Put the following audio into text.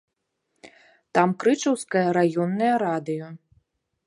Там крычаўскае раённае радыё.